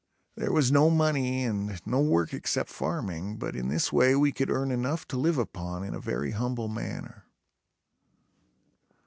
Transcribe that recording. There was no money and no work except farming, but in this way we could earn enough to live upon in a very humble manner.